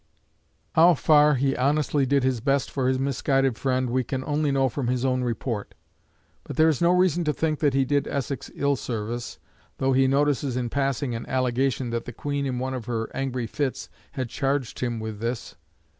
How far he honestly did his best for his misguided friend we can only know from his own report; but there is no reason to think that he did Essex ill service, though he notices in passing an allegation that the Queen in one of her angry fits had charged him with this.